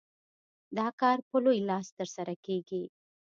دا کار په لوی لاس ترسره کېږي.